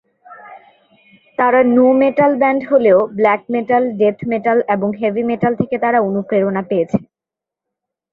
তারা nu metal band হলেও black metal, death metal এবং হেভি মেটাল থেকে তারা অনুপ্রেরণা পেয়েছে।